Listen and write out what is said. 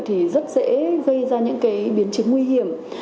thì rất dễ gây ra những biến chứng nguy hiểm